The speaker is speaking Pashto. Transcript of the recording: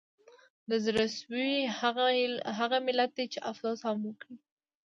د زړه سوي هغه ملت دی د افسوس هغه وګړي